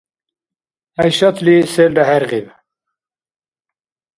ГӀяйшатли селра хӀергъиб.